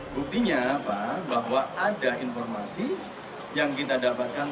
buktinya bahwa ada informasi yang kita dapatkan